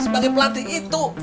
sebagai pelatih itu